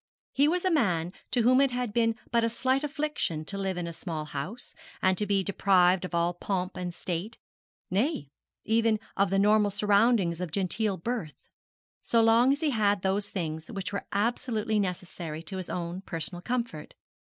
He was a man to whom it had been but a slight affliction to live in a small house, and to be deprived of all pomp and state, nay, even of the normal surroundings of gentle birth, so long as he had those things which were absolutely necessary to his own personal comfort.